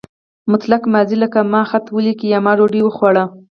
مطلق ماضي لکه ما خط ولیکه یا ما ډوډۍ وخوړه.